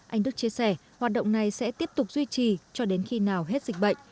anh đức chia sẻ hoạt động này sẽ tiếp tục duy trì cho đến khi nào hết dịch bệnh